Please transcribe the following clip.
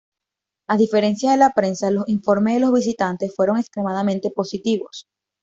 A diferencia de la prensa, los informes de los visitantes fueron extremadamente positivos.